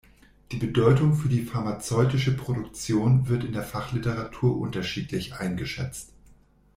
Die Bedeutung für die pharmazeutische Produktion wird in der Fachliteratur unterschiedlich eingeschätzt.